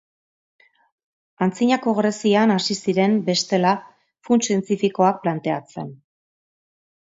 Antzinako Grezian hasi ziren bestela funts zientifikoak planteatzen.